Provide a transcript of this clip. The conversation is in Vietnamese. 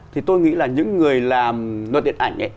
thì tôi nghĩ là những người làm luật điện ảnh ấy